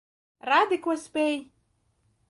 Rādi, ko spēj.